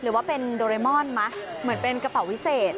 หรือว่าเป็นโดเรมอนไหมเหมือนเป็นกระเป๋าวิเศษ